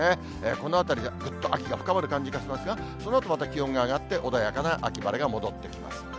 このあたりでぐっと秋が深まる感じがしますが、そのあとまた気温が上がって穏やかな秋晴れが戻ってきます。